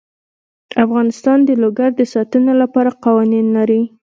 افغانستان د لوگر د ساتنې لپاره قوانین لري.